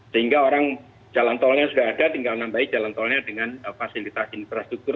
sehingga orang jalan tolnya sudah ada tinggal nambah jalan tolnya dengan fasilitas infrastruktur